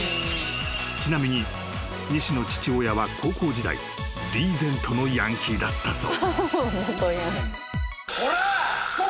［ちなみに西の父親は高校時代リーゼントのヤンキーだったそう］